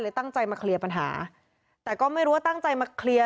ตั้งใจมาเคลียร์ปัญหาแต่ก็ไม่รู้ว่าตั้งใจมาเคลียร์